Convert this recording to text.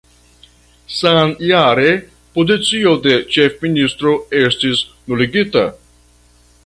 Samjare pozicio de ĉefministro estis nuligita.